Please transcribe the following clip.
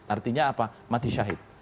artinya apa mati syahid